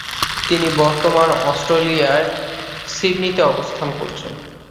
তিনি বর্তমানে অস্ট্রেলিয়ার সিডনিতে অবস্থান করছেন।